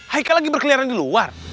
haika lagi berkeliaran di luar